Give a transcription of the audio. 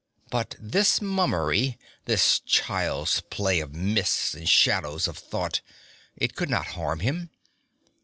But this mummery, this child's play of mists and shadows of thought, it could not harm him.